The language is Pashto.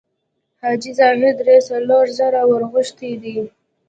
حاجي ظاهر درې څلور ځله ورغوښتی دی.